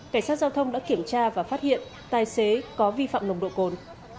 cảnh sát giao thông đã kiểm tra và phát hiện tài xế có vi phạm nồng độ cồn